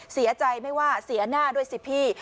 เสียใจไม่ว่าเสียหน้าด้วยสิพี่